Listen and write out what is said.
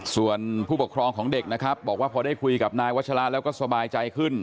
ส่วนผู้ปกครองของเด็กนะครับบอกว่าพอได้คุยกับนายวัชราแล้วก็สบายใจขึ้น